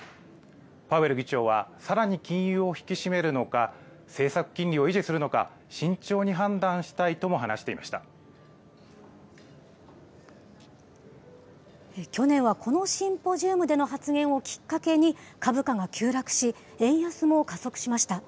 パウエル議長は、さらに金融を引き締めるのか、政策金利を維持するのか、慎重に判断したいとも話去年はこのシンポジウムでの発言をきっかけに、株価が急落し、円安も加速しました。